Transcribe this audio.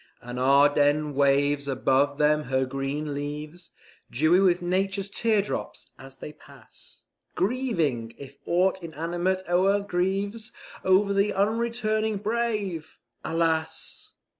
And Ardennes waves above them her green leaves, Dewy with nature's teardrops, as they pass, Grieving, if aught inanimate e'er grieves, Over the unreturning brave, alas!